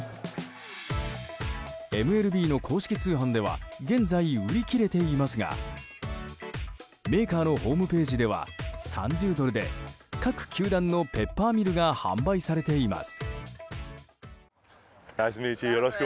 ＭＬＢの公式通販では現在、売り切れていますがメーカーのホームページでは３０ドルで各球団のペッパーミルが販売されています。